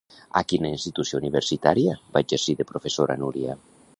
A quina institució universitària va exercir de professora Núria?